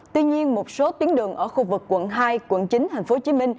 tuy nhiên một số tuyến đường ở khu vực quận hai quận chín tp hcm